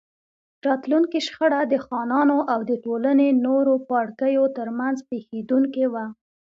راتلونکې شخړه د خانانو او د ټولنې نورو پاړکیو ترمنځ پېښېدونکې وه.